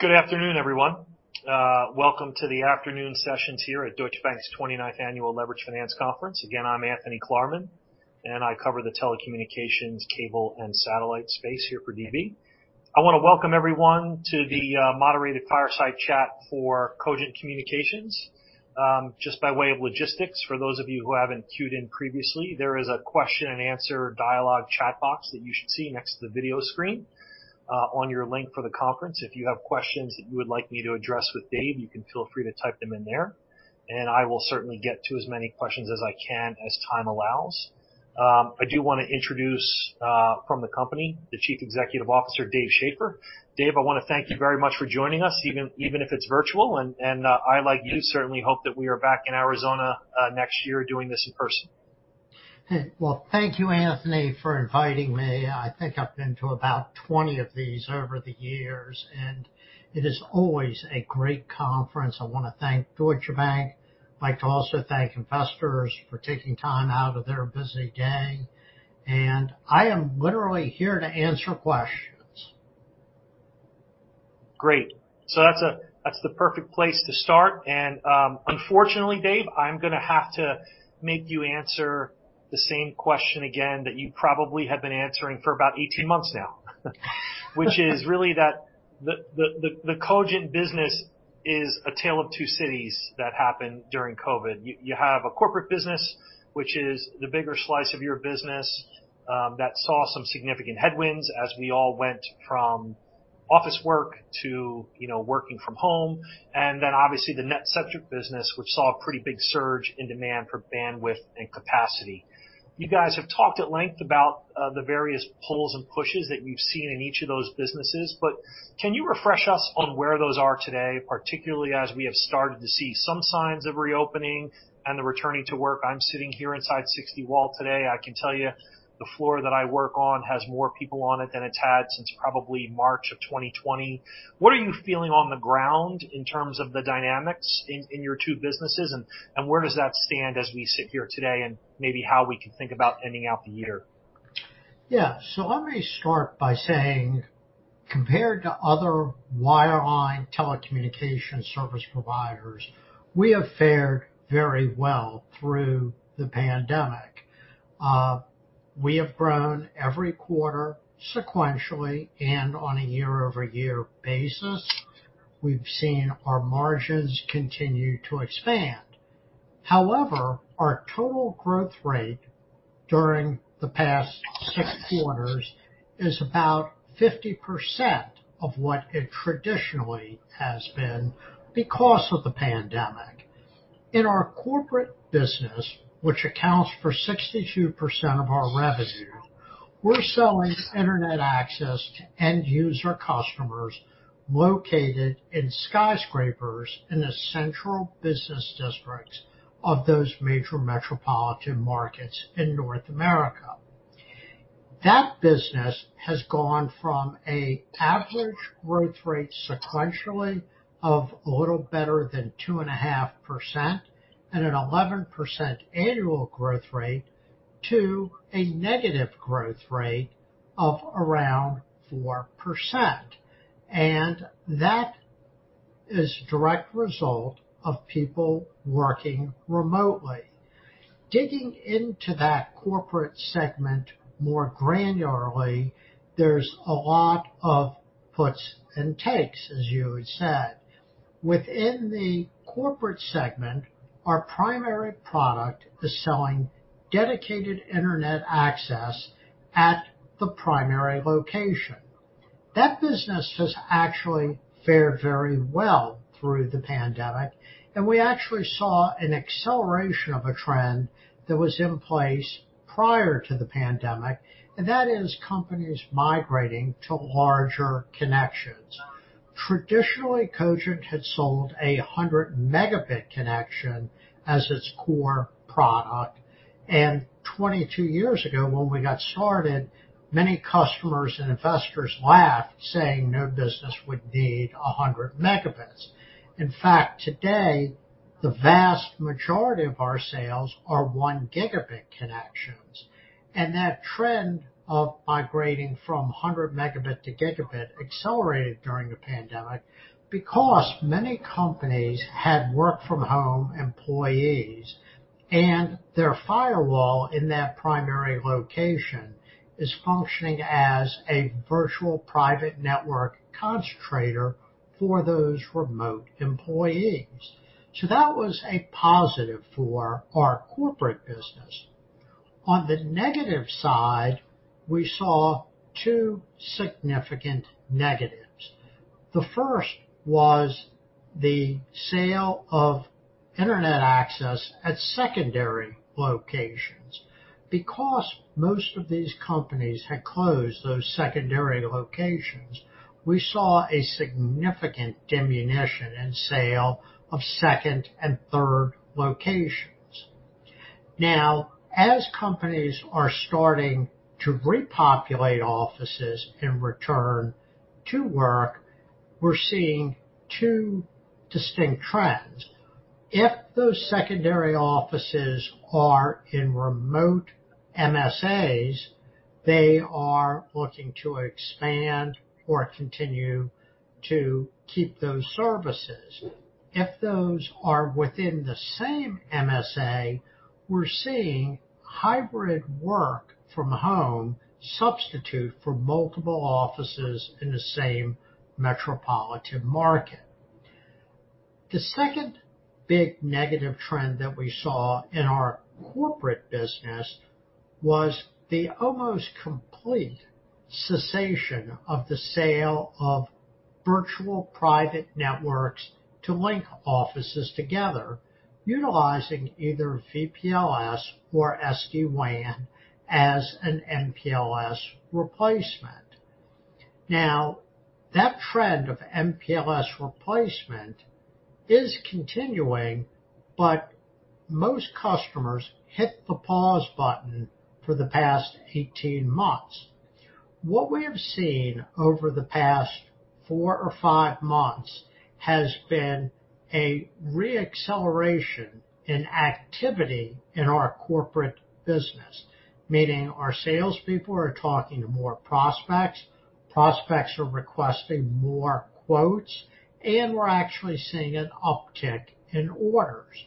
Good afternoon, everyone. Welcome to the afternoon sessions here at Deutsche Bank's 29th Annual Leveraged Finance Conference. I'm Anthony Klarman, and I cover the telecommunications, cable, and satellite space here for DB. I want to welcome everyone to the moderated fireside chat for Cogent Communications. By way of logistics, for those of you who haven't tuned in previously, there is a question and answer dialogue chat box that you should see next to the video screen on your link for the conference. If you have questions that you would like me to address with Dave, you can feel free to type them in there, and I will certainly get to as many questions as I can as time allows. I want to introduce, from the company, the Chief Executive Officer, Dave Schaeffer. Dave, I want to thank you very much for joining us, even if it's virtual, and I, like you, certainly hope that we are back in Arizona next year doing this in person. Well, thank you, Anthony, for inviting me. I think I've been to about 20 of these over the years, and it is always a great conference. I want to thank Deutsche Bank. I'd like to also thank investors for taking time out of their busy day. I am literally here to answer questions. Great. That's the perfect place to start. Unfortunately, Dave, I'm going to have to make you answer the same question again that you probably have been answering for about 18 months now, which is really that the Cogent business is a tale of two cities that happened during COVID. You have a corporate business, which is the bigger slice of your business, that saw some significant headwinds as we all went from office work to working from home. Then obviously the NetCentric business, which saw a pretty big surge in demand for bandwidth and capacity. You guys have talked at length about the various pulls and pushes that you've seen in each of those businesses, but can you refresh us on where those are today, particularly as we have started to see some signs of reopening and the returning to work? I'm sitting here inside 60 Wall today. I can tell you the floor that I work on has more people on it than it's had since probably March of 2020. What are you feeling on the ground in terms of the dynamics in your two businesses, and where does that stand as we sit here today, and maybe how we can think about ending out the year? Yeah. Let me start by saying, compared to other wireline telecommunication service providers, we have fared very well through the pandemic. We have grown every quarter sequentially and on a year-over-year basis. We've seen our margins continue to expand. However, our total growth rate during the past six quarters is about 50% of what it traditionally has been because of the pandemic. In our corporate business, which accounts for 62% of our revenue, we're selling internet access to end user customers located in skyscrapers in the central business districts of those major metropolitan markets in North America. That business has gone from an average growth rate sequentially of a little better than 2.5% and an 11% annual growth rate, to a negative growth rate of around 4%. That is a direct result of people working remotely. Digging into that corporate segment more granularly, there's a lot of puts and takes, as you had said. Within the corporate segment, our primary product is selling dedicated internet access at the primary location. That business has actually fared very well through the pandemic, and we actually saw an acceleration of a trend that was in place prior to the pandemic, and that is companies migrating to larger connections. Traditionally, Cogent had sold a 100 Mb connection as its core product, and 22 years ago when we got started, many customers and investors laughed saying no business would need 100 Mb. In fact, today, the vast majority of our sales are 1 Gb connections. That trend of migrating from 100 Mb to gigabit accelerated during the pandemic because many companies had work-from-home employees, and their firewall in that primary location is functioning as a virtual private network concentrator for those remote employees. That was a positive for our corporate business. On the negative side, we saw two significant negatives. The first was the sale of internet access at secondary locations. Because most of these companies had closed those secondary locations, we saw a significant diminution in sale of second and third locations. As companies are starting to repopulate offices and return to work, we're seeing two distinct trends. If those secondary offices are in remote MSAs, they are looking to expand or continue to keep those services. If those are within the same MSA, we're seeing hybrid work from home substitute for multiple offices in the same metropolitan market. The second big negative trend that we saw in our corporate business was the almost complete cessation of the sale of virtual private networks to link offices together, utilizing either VPLS or SD-WAN as an MPLS replacement. That trend of MPLS replacement is continuing, but most customers hit the pause button for the past 18 months. What we have seen over the past four or five months has been a re-acceleration in activity in our corporate business, meaning our salespeople are talking to more prospects are requesting more quotes, and we're actually seeing an uptick in orders.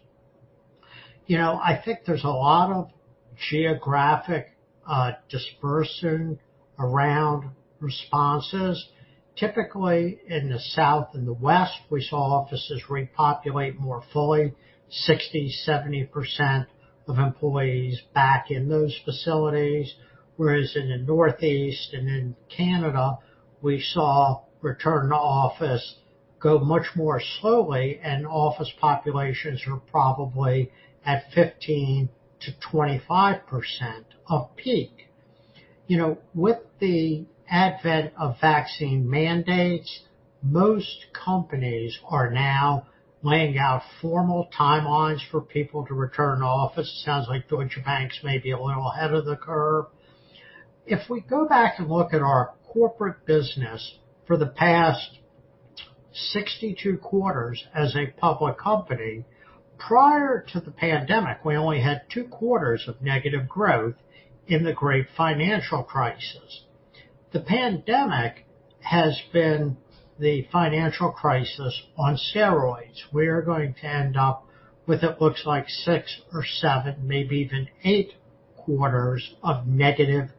I think there's a lot of geographic dispersing around responses. Typically, in the South and the West, we saw offices repopulate more fully, 60%, 70% of employees back in those facilities, whereas in the Northeast and in Canada, we saw return to office go much more slowly, and office populations are probably at 15%-25% of peak. With the advent of vaccine mandates, most companies are now laying out formal timelines for people to return to office. It sounds like Deutsche Bank's maybe a little ahead of the curve. If we go back and look at our corporate business for the past 62 quarters as a public company, prior to the pandemic, we only had two quarters of negative growth in the great financial crisis. The pandemic has been the financial crisis on steroids. We are going to end up with what looks like six or seven, maybe even eight quarters of negative corporate growth.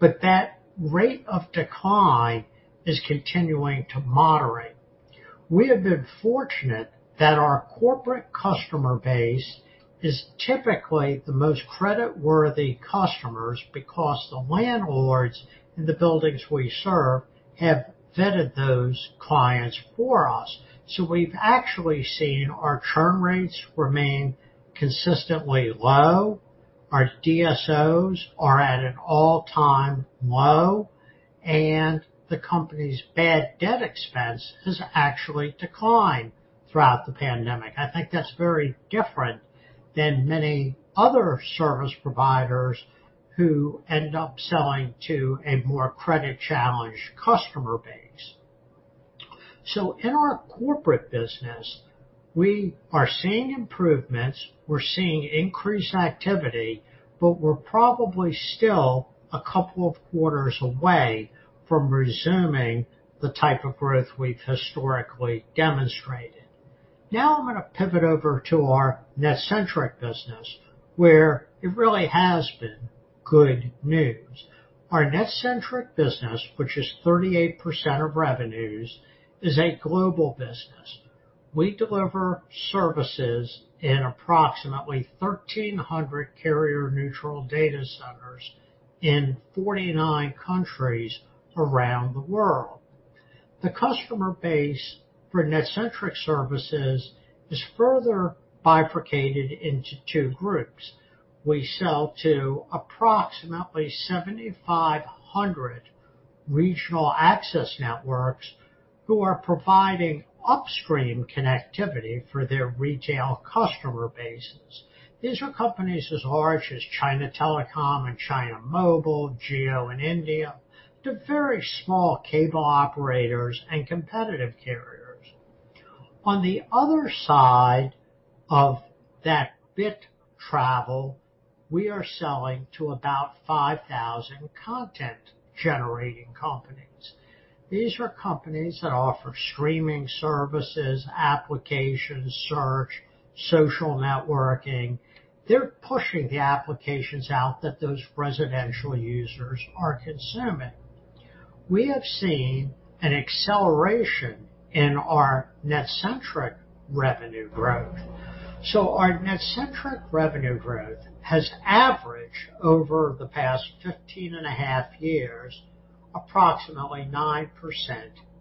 That rate of decline is continuing to moderate. We have been fortunate that our corporate customer base is typically the most creditworthy customers because the landlords in the buildings we serve have vetted those clients for us. We've actually seen our churn rates remain consistently low, our DSOs are at an all-time low, and the company's bad debt expense has actually declined throughout the pandemic. I think that's very different than many other service providers who end up selling to a more credit-challenged customer base. In our corporate business, we are seeing improvements, we're seeing increased activity, but we're probably still a couple of quarters away from resuming the type of growth we've historically demonstrated. Now I'm going to pivot over to our NetCentric business, where it really has been good news. Our NetCentric business, which is 38% of revenues, is a global business. We deliver services in approximately 1,300 carrier-neutral data centers in 49 countries around the world. The customer base for NetCentric Services is further bifurcated into two groups. We sell to approximately 7,500 regional access networks who are providing upstream connectivity for their retail customer bases. These are companies as large as China Telecom and China Mobile, Jio in India, to very small cable operators and competitive carriers. On the other side of that bit travel, we are selling to about 5,000 content-generating companies. These are companies that offer streaming services, applications, search, social networking. They're pushing the applications out that those residential users are consuming. We have seen an acceleration in our NetCentric revenue growth. Our NetCentric revenue growth has averaged over the past 15 and a half years, approximately 9%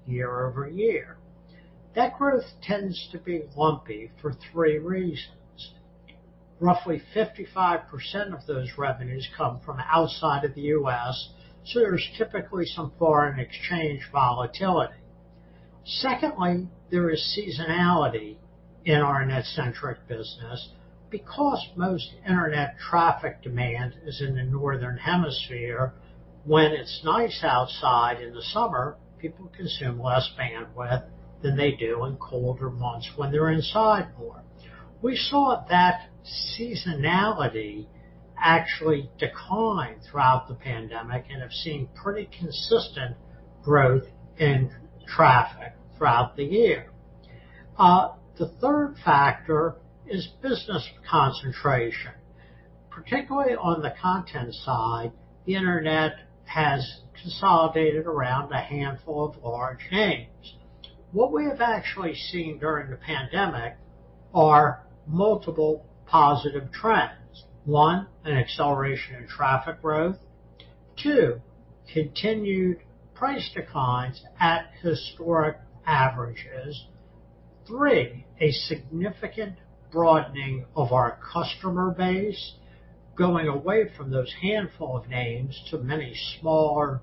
year-over-year. That growth tends to be lumpy for three reasons. Roughly 55% of those revenues come from outside of the U.S., so there's typically some foreign exchange volatility. Secondly, there is seasonality in our NetCentric business because most internet traffic demand is in the northern hemisphere. When it's nice outside in the summer, people consume less bandwidth than they do in colder months when they're inside more. We saw that seasonality actually declined throughout the pandemic and have seen pretty consistent growth in traffic throughout the year. The third factor is business concentration. Particularly on the content side, the internet has consolidated around a handful of large names. What we have actually seen during the pandemic are multiple positive trends. One, an acceleration in traffic growth. Two, continued price declines at historic averages. Three, a significant broadening of our customer base, going away from those handful of names to many smaller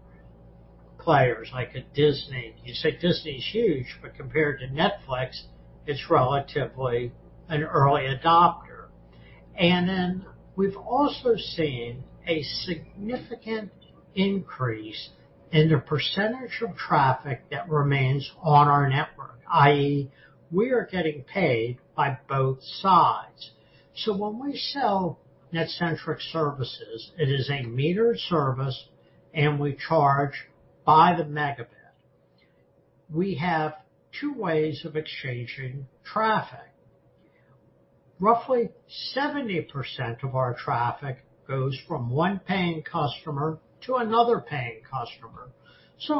players like a Disney. You say Disney's huge, but compared to Netflix, it's relatively an early adopter. Then we've also seen a significant increase in the percentage of traffic that remains on our network, i.e., we are getting paid by both sides. When we sell NetCentric Services, it is a metered service, and we charge by the megabit. We have two ways of exchanging traffic. Roughly 70% of our traffic goes from one paying customer to another paying customer.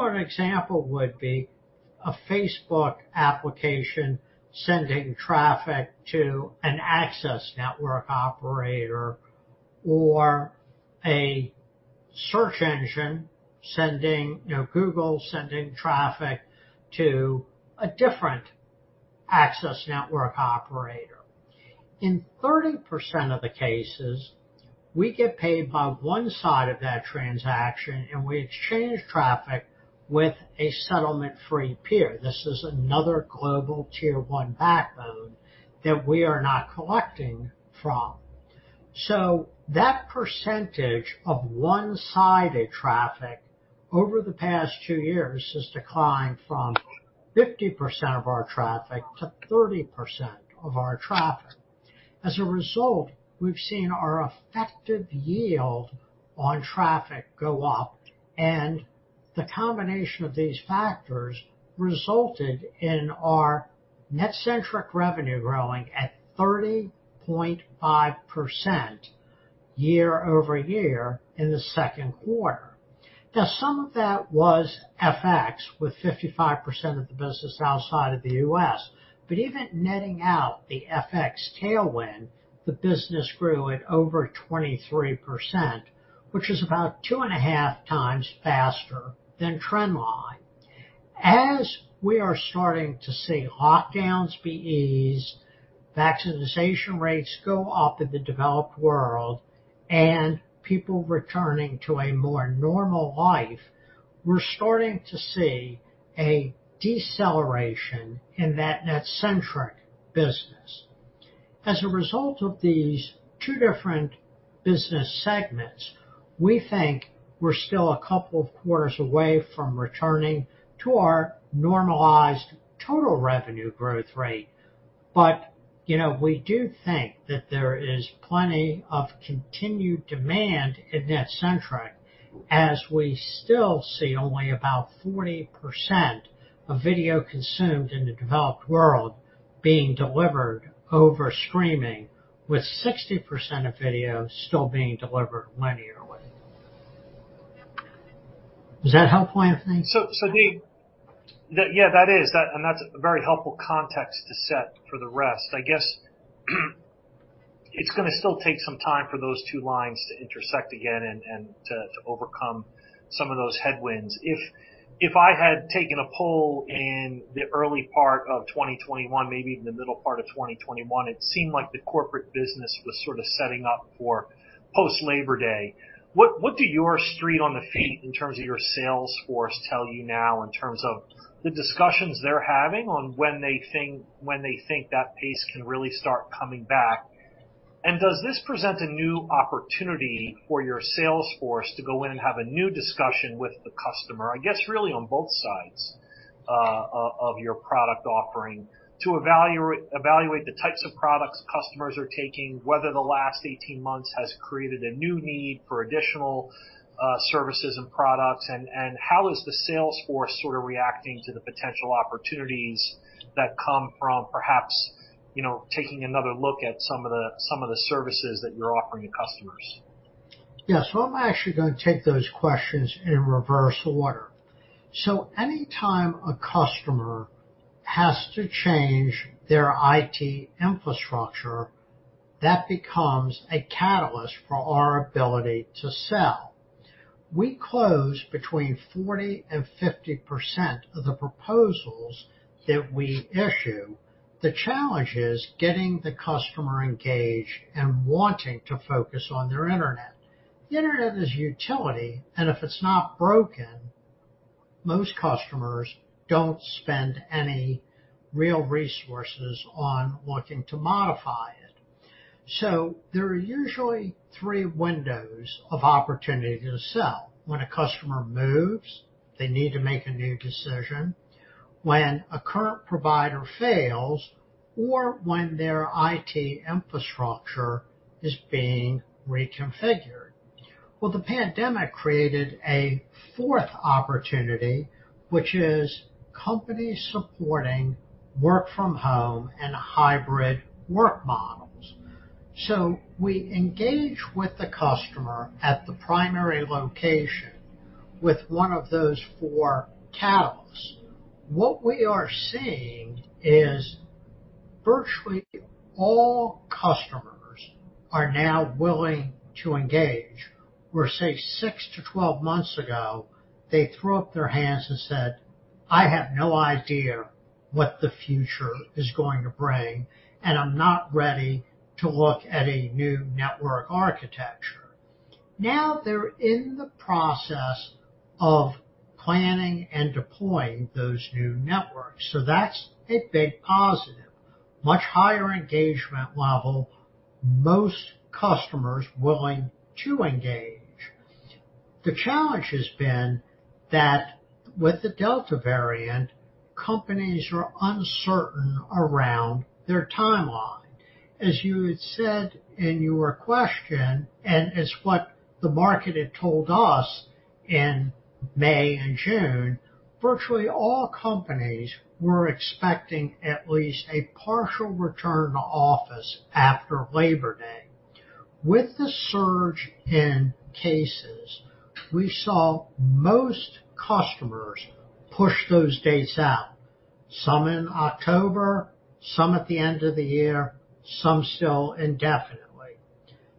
An example would be a Facebook application sending traffic to an access network operator or a search engine, Google, sending traffic to a different access network operator. In 30% of the cases, we get paid by one side of that transaction, and we exchange traffic with a settlement-free peer. This is another global Tier 1 backbone that we are not collecting from. That percentage of one-sided traffic over the past two years has declined from 50% of our traffic to 30% of our traffic. As a result, we have seen our effective yield on traffic go up, and the combination of these factors resulted in our NetCentric revenue growing at 30.5% year-over-year in the second quarter. Some of that was FX, with 55% of the business outside of the U.S. Even netting out the FX tailwind, the business grew at over 23%, which is about 2.5 times faster than trendline. As we are starting to see lockdowns be eased, vaccination rates go up in the developed world, and people returning to a more normal life, we are starting to see a deceleration in that NetCentric business. As a result of these two different business segments, we think we're still two quarters away from returning to our normalized total revenue growth rate. We do think that there is plenty of continued demand at NetCentric, as we still see only about 40% of video consumed in the developed world being delivered over streaming, with 60% of video still being delivered linearly. Is that helpful, Anthony? Dave yeah, that is. That's a very helpful context to set for the rest. I guess, it's going to still take some time for those two lines to intersect again and to overcome some of those headwinds. If I had taken a poll in the early part of 2021, maybe even the middle part of 2021, it seemed like the corporate business was sort of setting up for post Labor Day. What do your street on the feet, in terms of your sales force, tell you now in terms of the discussions they're having on when they think that pace can really start coming back? Does this present a new opportunity for your sales force to go in and have a new discussion with the customer? I guess really on both sides of your product offering to evaluate the types of products customers are taking, whether the last 18 months has created a new need for additional services and products, and how is the sales force sort of reacting to the potential opportunities that come from perhaps taking another look at some of the services that you're offering to customers. Yeah. I'm actually going to take those questions in reverse order. Any time a customer has to change their IT infrastructure, that becomes a catalyst for our ability to sell. We close between 40%-50% of the proposals that we issue. The challenge is getting the customer engaged and wanting to focus on their internet. The internet is a utility, and if it's not broken, most customers don't spend any real resources on looking to modify it. There are usually three windows of opportunity to sell. When a customer moves, they need to make a new decision. When a current provider fails. When their IT infrastructure is being reconfigured. Well, the pandemic created a fourth opportunity, which is companies supporting work from home and hybrid work models. We engage with the customer at the primary location with one of those four catalysts. What we are seeing is virtually all customers are now willing to engage, where, say, 6-12 months ago, they threw up their hands and said, "I have no idea what the future is going to bring, and I'm not ready to look at a new network architecture." Now they're in the process of planning and deploying those new networks. That's a big positive. Much higher engagement level, most customers willing to engage. The challenge has been that with the Delta variant, companies are uncertain around their timeline. As you had said in your question, and it's what the market had told us in May and June, virtually all companies were expecting at least a partial return to office after Labor Day. With the surge in cases, we saw most customers push those dates out, some in October, some at the end of the year, some still indefinitely.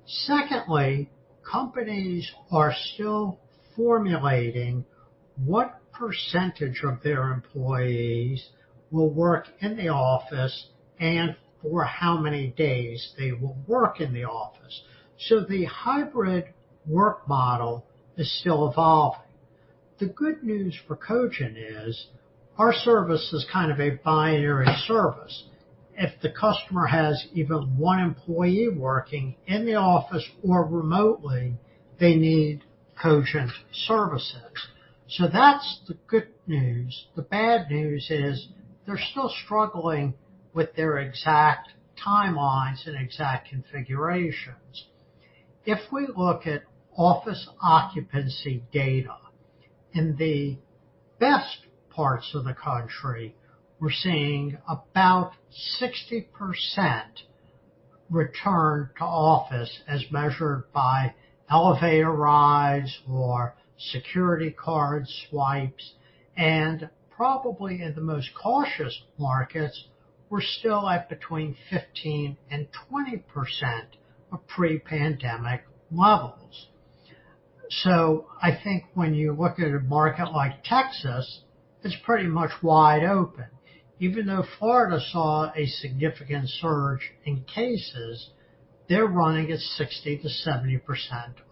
Secondly, companies are still formulating what percentage of their employees will work in the office and for how many days they will work in the office. The hybrid work model is still evolving. The good news for Cogent is our service is kind of a binary service. If the customer has even one employee working in the office or remotely, they need Cogent services. That's the good news. The bad news is they're still struggling with their exact timelines and exact configurations. If we look at office occupancy data, in the best parts of the country, we're seeing about 60% return to office as measured by elevator rides or security card swipes, and probably in the most cautious markets, we're still at between 15%-20% of pre-pandemic levels. I think when you look at a market like Texas, it's pretty much wide open. Even though Florida saw a significant surge in cases, they're running at 60%-70%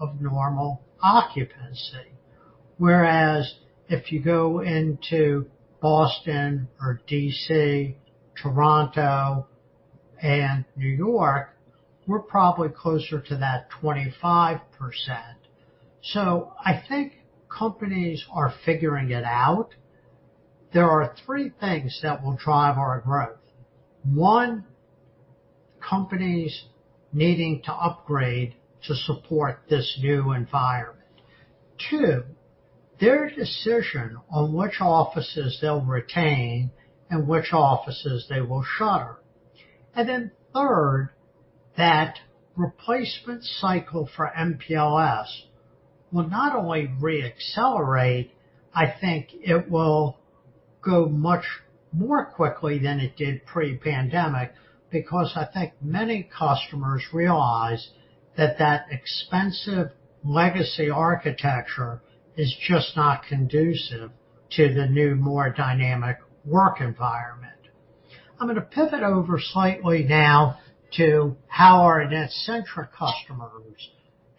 of normal occupancy. Whereas if you go into Boston or D.C., Toronto, and New York, we're probably closer to that 25%. I think companies are figuring it out. There are three things that will drive our growth. One, companies needing to upgrade to support this new environment. Two, their decision on which offices they'll retain and which offices they will shutter. Third, that replacement cycle for MPLS will not only re-accelerate, I think it will go much more quickly than it did pre-pandemic, because I think many customers realize that that expensive legacy architecture is just not conducive to the new, more dynamic work environment. I'm going to pivot over slightly now to how our NetCentric customers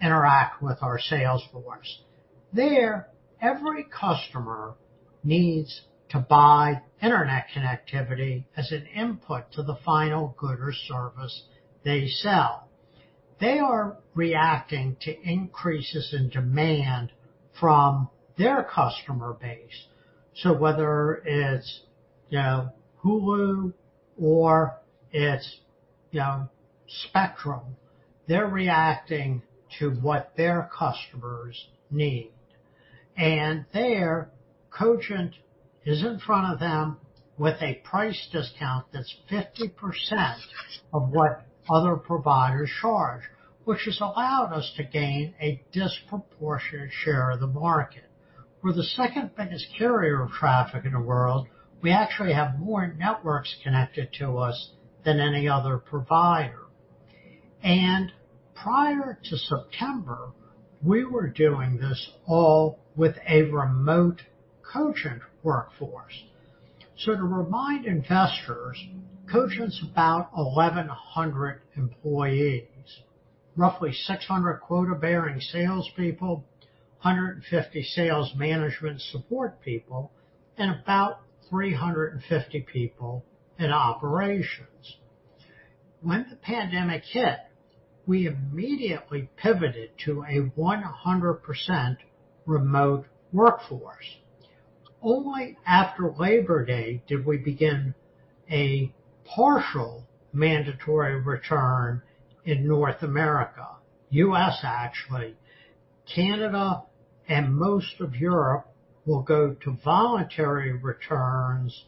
interact with our sales force. There, every customer needs to buy internet connectivity as an input to the final good or service they sell. They are reacting to increases in demand from their customer base. Whether it's Hulu or it's Spectrum, they're reacting to what their customers need. There, Cogent is in front of them with a price discount that's 50% of what other providers charge, which has allowed us to gain a disproportionate share of the market. We're the second-biggest carrier of traffic in the world. We actually have more networks connected to us than any other provider. Prior to September, we were doing this all with a remote Cogent workforce. To remind investors, Cogent's about 1,100 employees, roughly 600 quota-bearing salespeople, 150 sales management support people, and about 350 people in operations. When the pandemic hit, we immediately pivoted to a 100% remote workforce. Only after Labor Day did we begin a partial mandatory return in North America, U.S., actually. Canada and most of Europe will go to voluntary returns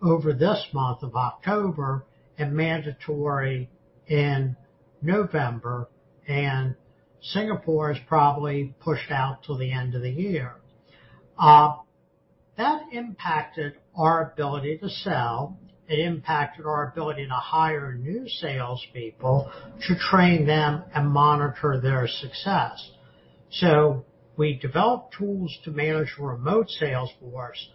over this month of October, and mandatory in November, and Singapore is probably pushed out till the end of the year. That impacted our ability to sell. It impacted our ability to hire new salespeople, to train them and monitor their success. We developed tools to manage remote sales force,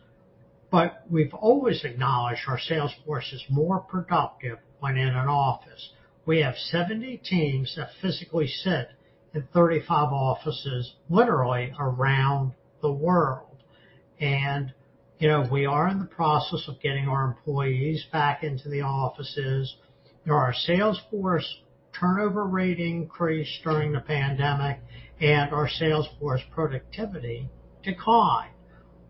but we've always acknowledged our sales force is more productive when in an office. We have 70 teams that physically sit in 35 offices, literally around the world. We are in the process of getting our employees back into the offices. Our sales force turnover rate increased during the pandemic, and our sales force productivity declined.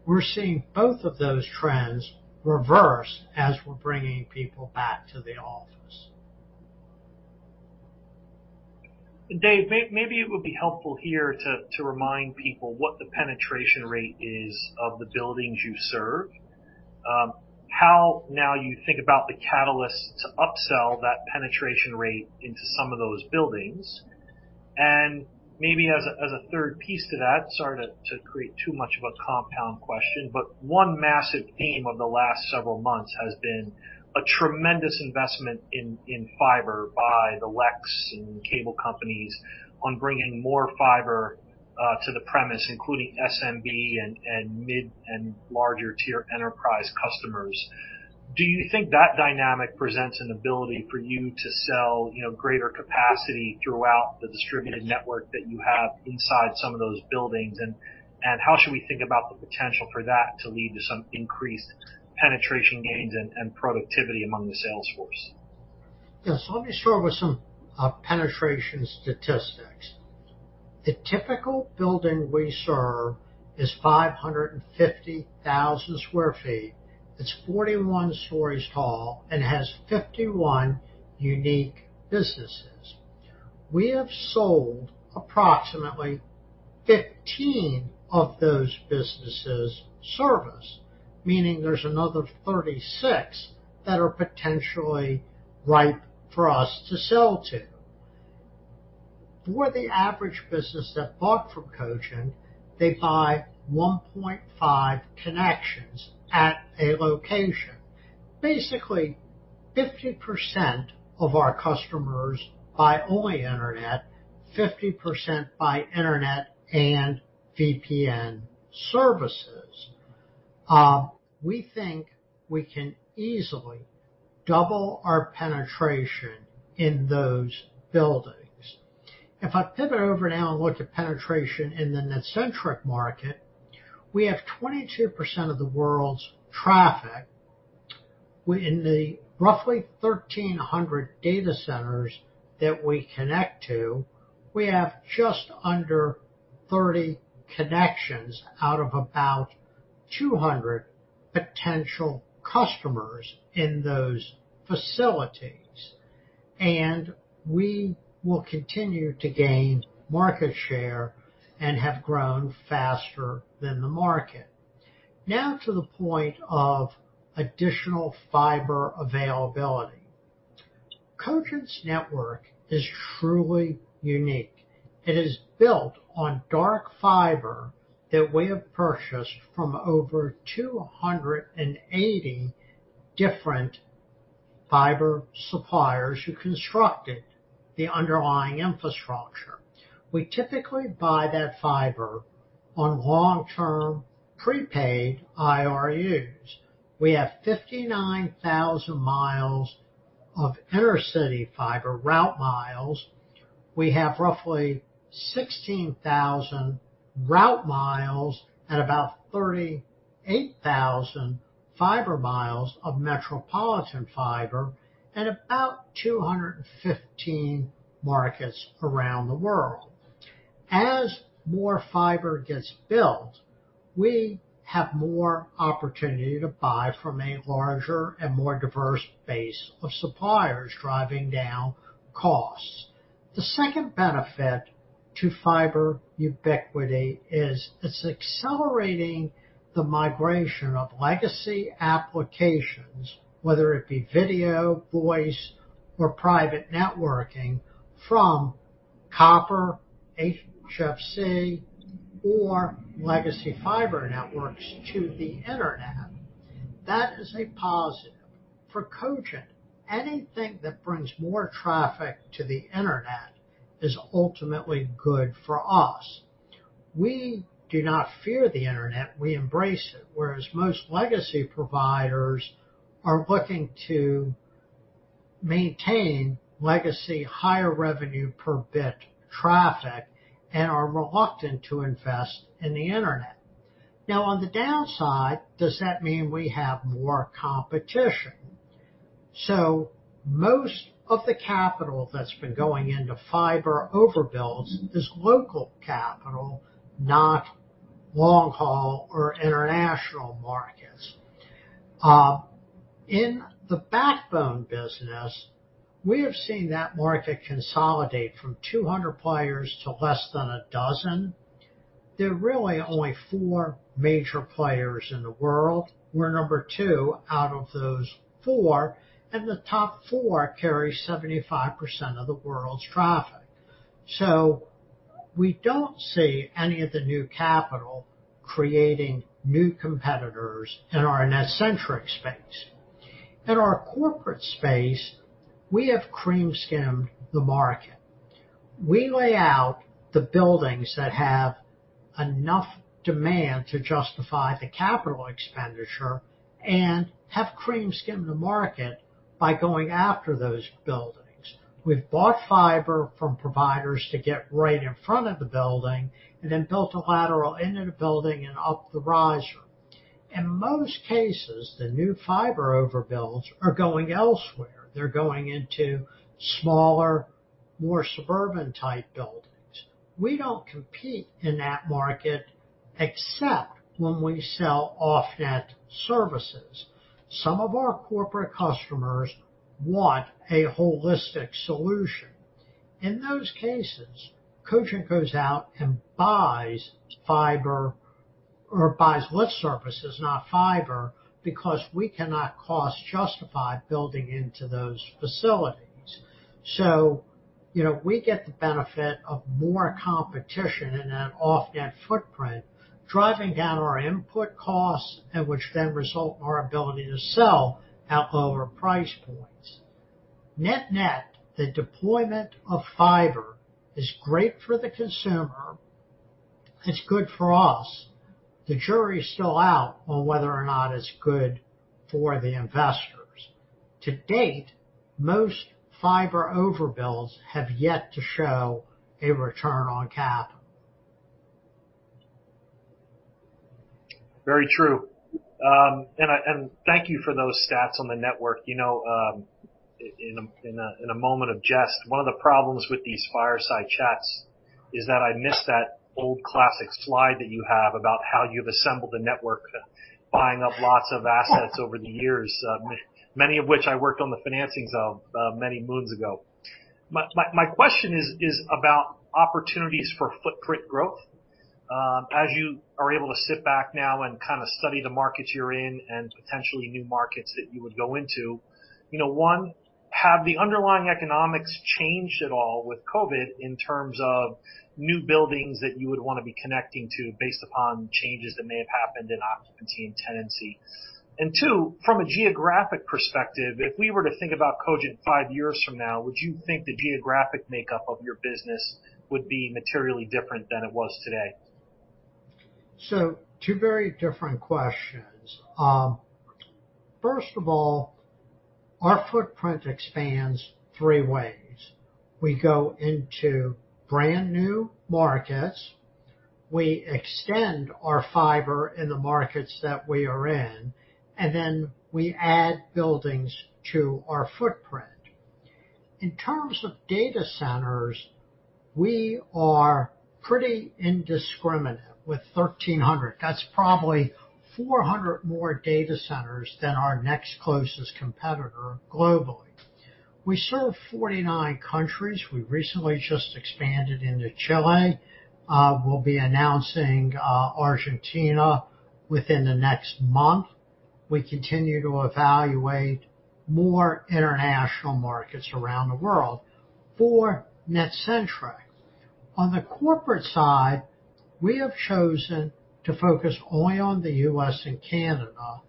We're seeing both of those trends reverse as we're bringing people back to the office. Dave, maybe it would be helpful here to remind people what the penetration rate is of the buildings you serve. How now you think about the catalyst to upsell that penetration rate into some of those buildings, and maybe as a third piece to that, sorry to create too much of a compound question, but one massive theme of the last several months has been a tremendous investment in fiber by the LECs and cable companies on bringing more fiber to the premise, including SMB and mid and larger tier enterprise customers. Do you think that dynamic presents an ability for you to sell greater capacity throughout the distributed network that you have inside some of those buildings? How should we think about the potential for that to lead to some increased penetration gains and productivity among the sales force? Yeah. Let me start with some penetration statistics. The typical building we serve is 550,000 sq ft. It's 41 stories tall and has 51 unique businesses. We have sold approximately 15 of those businesses service, meaning there's another 36 that are potentially ripe for us to sell to. For the average business that bought from Cogent, they buy 1.5 connections at a location. Basically, 50% of our customers buy only Internet, 50% buy Internet and VPN services. We think we can easily double our penetration in those buildings. If I pivot over now and look at penetration in the NetCentric market, we have 22% of the world's traffic. In the roughly 1,300 data centers that we connect to, we have just under 30 connections out of about 200 potential customers in those facilities. We will continue to gain market share and have grown faster than the market. Now to the point of additional fiber availability. Cogent's network is truly unique. It is built on dark fiber that we have purchased from over 280 different fiber suppliers who constructed the underlying infrastructure. We typically buy that fiber on long-term prepaid IRUs. We have 59,000 miles of intercity fiber route miles. We have roughly 16,000 route miles and about 38,000 fiber miles of metropolitan fiber in about 215 markets around the world. As more fiber gets built, we have more opportunity to buy from a larger and more diverse base of suppliers, driving down costs. The second benefit to fiber ubiquity is it's accelerating the migration of legacy applications, whether it be video, voice, or private networking from copper, HFC, or legacy fiber networks to the Internet. That is a positive for Cogent. Anything that brings more traffic to the Internet is ultimately good for us. We do not fear the Internet, we embrace it, whereas most legacy providers are looking to maintain legacy higher revenue per bit traffic and are reluctant to invest in the Internet. On the downside, does that mean we have more competition? Most of the capital that's been going into fiber overbuilds is local capital, not long-haul or international markets. In the backbone business, we have seen that market consolidate from 200 players to less than a dozen. There are really only four major players in the world. We're number two out of those four, and the top four carry 75% of the world's traffic. We don't see any of the new capital creating new competitors in our NetCentric space. In our corporate space, we have cream skimmed the market. We lay out the buildings that have enough demand to justify the capital expenditure and have cream skimmed the market by going after those buildings. We've bought fiber from providers to get right in front of the building, and then built a lateral into the building and up the riser. In most cases, the new fiber overbuilds are going elsewhere. They're going into smaller, more suburban type buildings. We don't compete in that market except when we sell off-net services. Some of our corporate customers want a holistic solution. In those cases, Cogent goes out and buys fiber, or buys lit services, not fiber, because we cannot cost-justify building into those facilities. We get the benefit of more competition in that off-net footprint, driving down our input costs, and which then result in our ability to sell at lower price points. Net-net, the deployment of fiber is great for the consumer. It's good for us. The jury is still out on whether or not it's good for the investors. To date, most fiber overbuilds have yet to show a return on capital. Very true. Thank you for those stats on the network. In a moment of jest, one of the problems with these fireside chats is that I miss that old classic slide that you have about how you've assembled the network, buying up lots of assets over the years, many of which I worked on the financings of many moons ago. My question is about opportunities for footprint growth. As you are able to sit back now and kind of study the markets you're in and potentially new markets that you would go into, one, have the underlying economics changed at all with COVID in terms of new buildings that you would want to be connecting to based upon changes that may have happened in occupancy and tenancy? Two, from a geographic perspective, if we were to think about Cogent five years from now, would you think the geographic makeup of your business would be materially different than it was today? Two very different questions. First of all, our footprint expands three ways. We go into brand new markets, we extend our fiber in the markets that we are in, and then we add buildings to our footprint. In terms of data centers, we are pretty indiscriminate with 1,300. That's probably 400 more data centers than our next closest competitor globally. We serve 49 countries. We recently just expanded into Chile. We'll be announcing Argentina within the next month. We continue to evaluate more international markets around the world for NetCentric. On the corporate side, we have chosen to focus only on the U.S. and Canada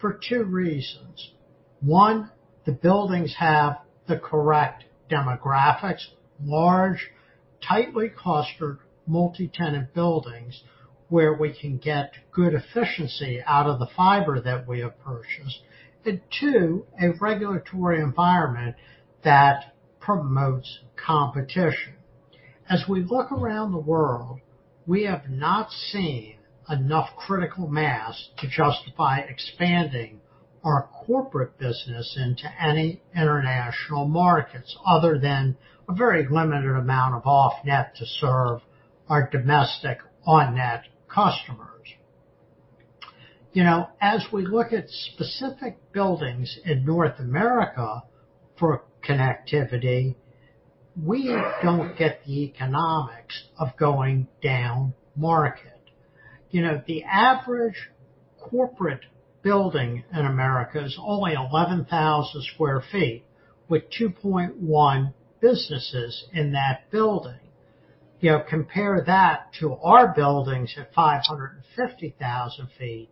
for two reasons. One, the buildings have the correct demographics, large, tightly clustered, multi-tenant buildings where we can get good efficiency out of the fiber that we have purchased. Two, a regulatory environment that promotes competition. As we look around the world, we have not seen enough critical mass to justify expanding our corporate business into any international markets other than a very limited amount of off-net to serve our domestic on-net customers. As we look at specific buildings in North America for connectivity, we don't get the economics of going down market. The average corporate building in America is only 11,000 sq ft with 2.1 businesses in that building. Compare that to our buildings at 550,000 feet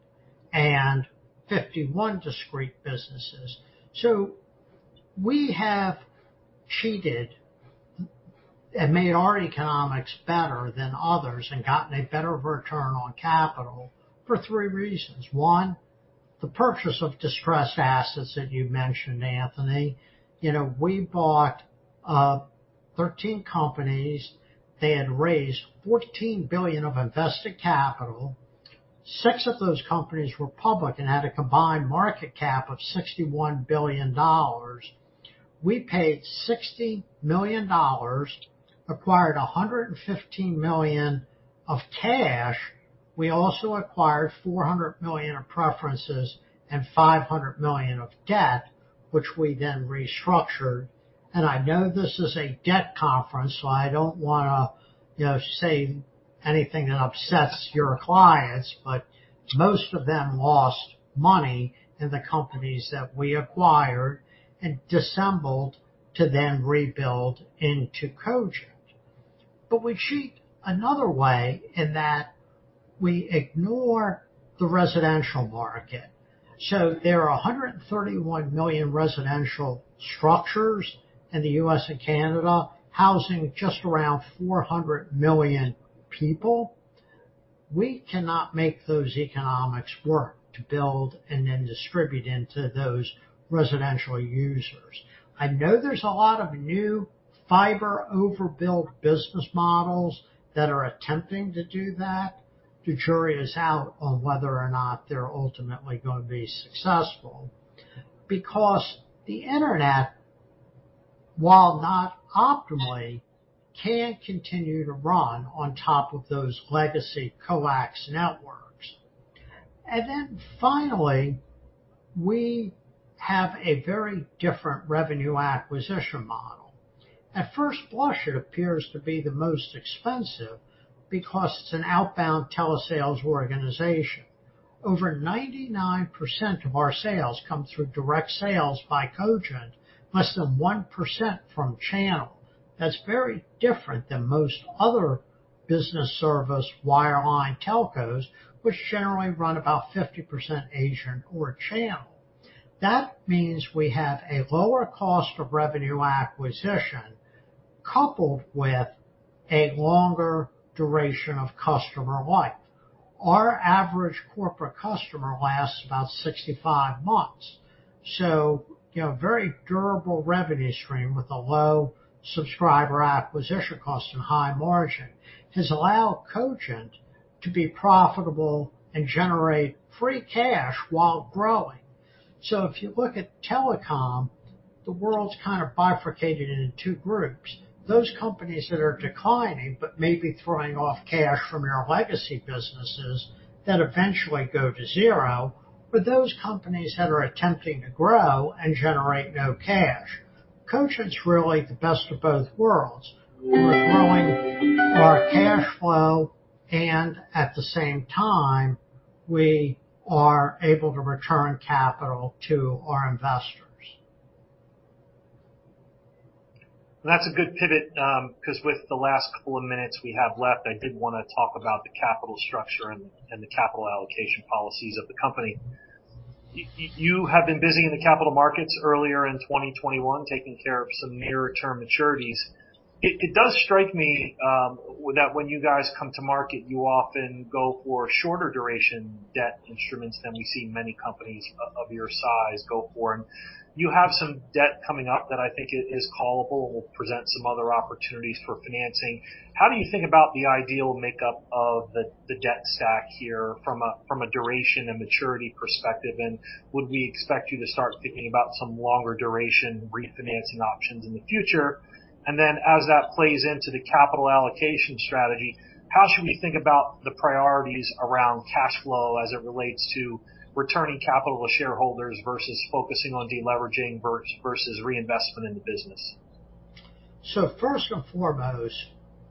and 51 discrete businesses. We have cheated and made our economics better than others and gotten a better return on capital for three reasons. One. The purchase of distressed assets that you mentioned, Anthony. We bought 13 companies. They had raised $14 billion of invested capital. Six of those companies were public and had a combined market cap of $61 billion. We paid $60 million, acquired $115 million of cash. We also acquired $400 million of preferences and $500 million of debt, which we then restructured. I know this is a debt conference, so I don't want to say anything that upsets your clients, but most of them lost money in the companies that we acquired and dissembled to then rebuild into Cogent. We cheat another way in that we ignore the residential market. There are 131 million residential structures in the U.S. and Canada, housing just around 400 million people. We cannot make those economics work to build and then distribute into those residential users. I know there's a lot of new fiber overbuild business models that are attempting to do that. The jury is out on whether or not they're ultimately going to be successful, because the internet, while not optimally, can continue to run on top of those legacy coax networks. Finally, we have a very different revenue acquisition model. At first blush, it appears to be the most expensive because it's an outbound telesales organization. Over 99% of our sales come through direct sales by Cogent, less than 1% from channel. That's very different than most other business service wireline telcos, which generally run about 50% agent or channel. That means we have a lower cost of revenue acquisition coupled with a longer duration of customer life. Our average corporate customer lasts about 65 months. Very durable revenue stream with a low subscriber acquisition cost and high margin has allowed Cogent to be profitable and generate free cash while growing. If you look at telecom, the world's kind of bifurcated into two groups. Those companies that are declining but may be throwing off cash from their legacy businesses that eventually go to zero. For those companies that are attempting to grow and generate no cash, Cogent's really the best of both worlds. We're growing our cash flow and at the same time, we are able to return capital to our investors. That's a good pivot, because with the last couple of minutes we have left, I did want to talk about the capital structure and the capital allocation policies of the company. You have been busy in the capital markets earlier in 2021, taking care of some near-term maturities. It does strike me that when you guys come to market, you often go for shorter duration debt instruments than we see many companies of your size go for. You have some debt coming up that I think is callable, will present some other opportunities for financing. How do you think about the ideal makeup of the debt stack here from a duration and maturity perspective, and would we expect you to start thinking about some longer duration refinancing options in the future? As that plays into the capital allocation strategy, how should we think about the priorities around cash flow as it relates to returning capital to shareholders versus focusing on de-leveraging versus reinvestment in the business? First and foremost,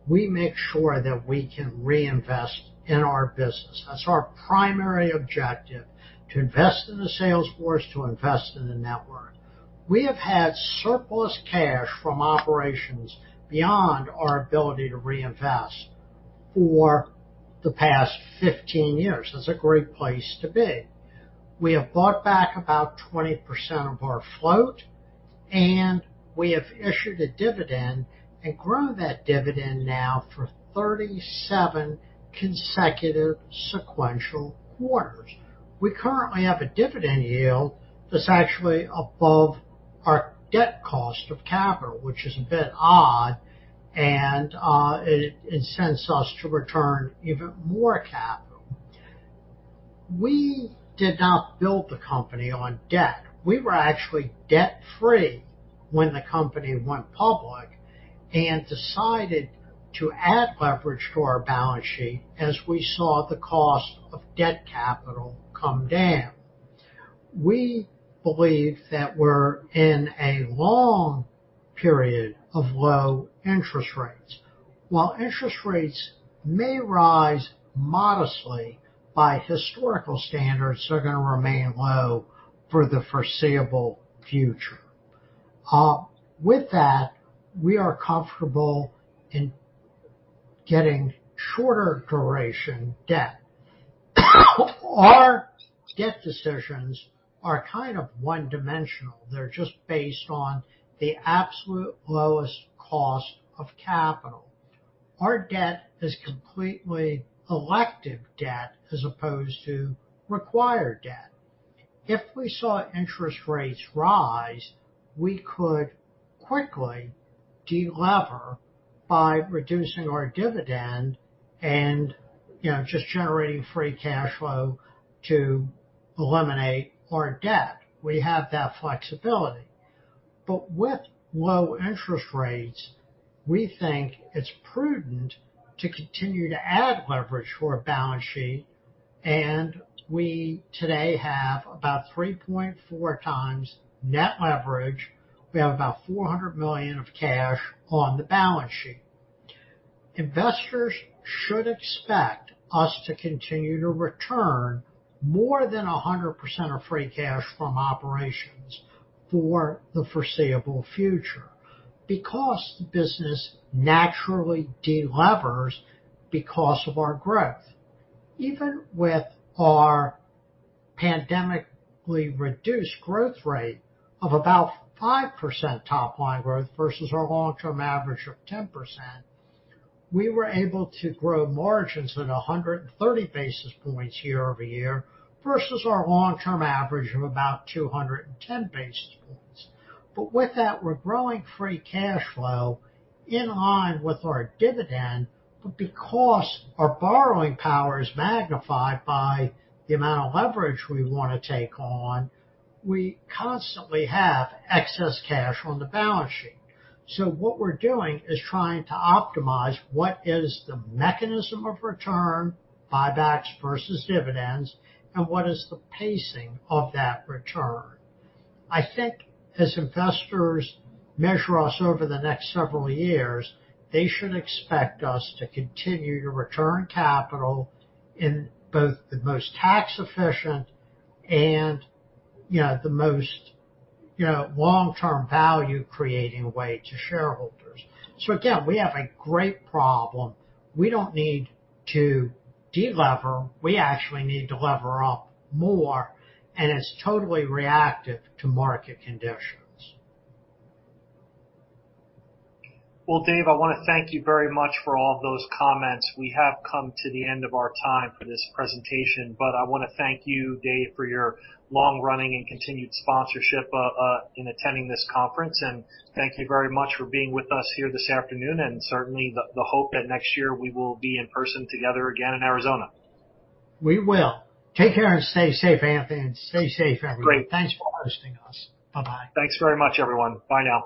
we make sure that we can reinvest in our business. That's our primary objective, to invest in the sales force, to invest in the network. We have had surplus cash from operations beyond our ability to reinvest for the past 15 years. That's a great place to be. We have bought back about 20% of our float, and we have issued a dividend and grown that dividend now for 37 consecutive sequential quarters. We currently have a dividend yield that's actually above our debt cost of capital, which is a bit odd, and it incents us to return even more capital. We did not build the company on debt. We were actually debt-free when the company went public and decided to add leverage to our balance sheet as we saw the cost of debt capital come down. We believe that we're in a long period of low interest rates. While interest rates may rise modestly by historical standards, they're going to remain low for the foreseeable future. With that, we are comfortable in getting shorter duration debt. Our debt decisions are kind of one-dimensional. They're just based on the absolute lowest cost of capital. Our debt is completely elective debt as opposed to required debt. If we saw interest rates rise, we could quickly delever by reducing our dividend and just generating free cash flow to eliminate our debt. We have that flexibility. With low interest rates, we think it's prudent to continue to add leverage to our balance sheet, and we today have about 3.4x net leverage. We have about $400 million of cash on the balance sheet. Investors should expect us to continue to return more than 100% of free cash from operations for the foreseeable future because the business naturally delevers because of our growth. Even with our pandemically reduced growth rate of about 5% top line growth versus our long-term average of 10%, we were able to grow margins at 130 basis points year-over-year versus our long-term average of about 210 basis points. With that, we're growing free cash flow in line with our dividend. Because our borrowing power is magnified by the amount of leverage we want to take on, we constantly have excess cash on the balance sheet. What we're doing is trying to optimize what is the mechanism of return, buybacks versus dividends, and what is the pacing of that return. I think as investors measure us over the next several years, they should expect us to continue to return capital in both the most tax efficient and the most long-term value creating way to shareholders. Again, we have a great problem. We don't need to delever. We actually need to lever up more, and it's totally reactive to market conditions. Well, Dave, I want to thank you very much for all of those comments. We have come to the end of our time for this presentation, but I want to thank you, Dave, for your long-running and continued sponsorship in attending this conference, and thank you very much for being with us here this afternoon, and certainly the hope that next year we will be in person together again in Arizona. We will. Take care and stay safe, Anthony, and stay safe, everyone. Great. Thanks for hosting us. Bye bye. Thanks very much, everyone. Bye now.